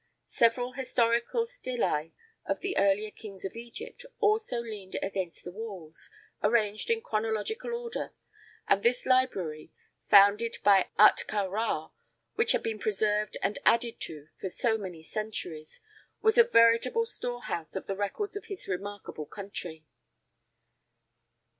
Several historical stelæ of the earlier kings of Egypt also leaned against the walls, arranged in chronological order, and this library, founded by Ahtka Rā, which had been preserved and added to for so many centuries, was a veritable storehouse of the records of his remarkable country.